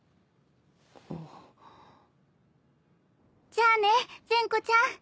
じゃあね善子ちゃん。